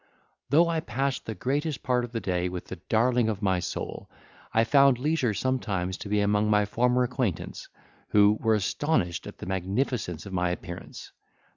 Though I passed the greatest part of the day with the darling of my soul, I found leisure sometimes to be among my former acquaintance, who were astonished at the magnificence of my appearance.